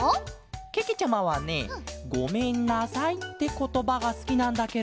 けけちゃまはね「ごめんなさい」ってことばがすきなんだケロ。